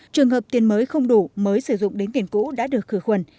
trường hợp tiền mới không đủ mới sử dụng đến tiền cũ đã được khử khuẩn